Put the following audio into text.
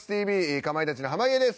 かまいたちの濱家です。